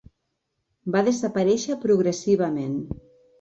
Va desaparèixer progressivament.